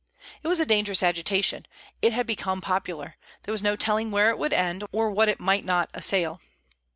It was a dangerous agitation; it had become popular; there was no telling where it would end, or what it might not assail.